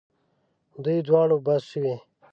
دوی دواړو بس شوې.